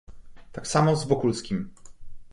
"Tak samo z Wokulskim."